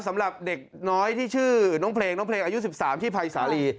สำหรับเด็กน้อยที่ชื่อน้องเพลงน้องเพลงอายุ๑๓ที่ภัยสาลี